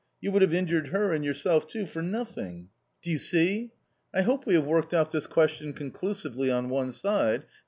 You would have injured her and yourself too for nothing — do you see ? I hope we have worked out this question conclusively on one side.